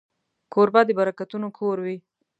کوربه د برکتونو کور وي.